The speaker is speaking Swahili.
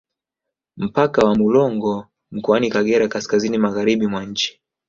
Mpaka wa Mulongo mkoani Kagera kaskazini magharibi mwa nchi